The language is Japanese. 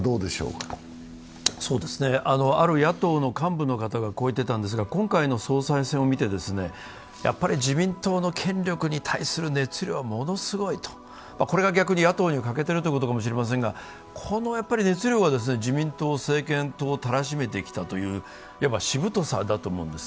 ある野党の幹部の方がこう言ってたんですが今回の総裁選を見て、自民党の権力に対する熱量はものすごいと、これが逆に野党に欠けているということかもしれませんがこの熱量が自民党を政権党たらしめてきたというしぶとさだと思います。